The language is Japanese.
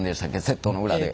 セットの裏で。